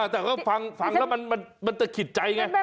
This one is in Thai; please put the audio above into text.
แต่ก็ฟังแล้วมันจะขิดใจไง